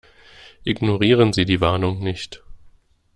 Ignorieren Sie die Warnung nicht.